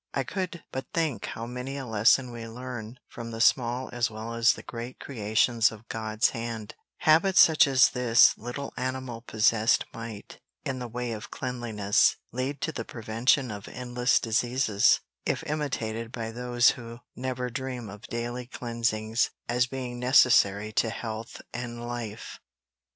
I could but think how many a lesson we may learn from the small as well as the great creations of God's hand habits such as this little animal possessed might, in the way of cleanliness, lead to the prevention of endless diseases, if imitated by those who never dream of daily cleansings as being necessary to health and life.